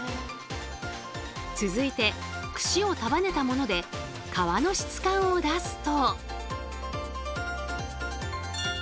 続いて串を束ねたもので皮の質感を出すと。